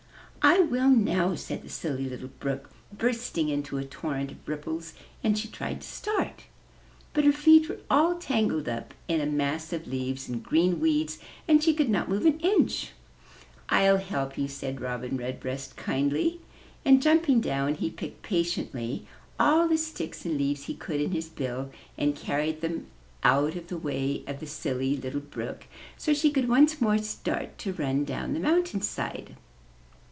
"I will now," said the Silly Little Brook, bursting into a torrent of ripples; and she tried to start. But her feet were all tangled up in a mass of leaves and green weeds and she could not move an inch. "Til help you," said Robin Redbreast kindly, and jumping down he picked patiently all the sticks and leaves he could in his bill and carried them out of 55 MY BOOK HOUSE the way of the Silly Little Brook, so she could once more start to run down the mountain side.